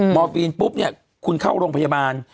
อร์ฟีนปุ๊บเนี่ยคุณเข้าโรงพยาบาล